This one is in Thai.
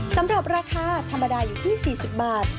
สำหรับราคาธรรมดาอยู่ที่๔๐บาท